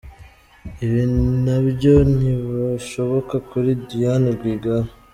Ibi na byo ntibishoboka kuri Diane Rwigara.